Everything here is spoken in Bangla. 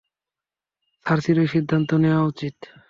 সার্সিরই সিদ্ধান্ত নেওয়া উচিৎ।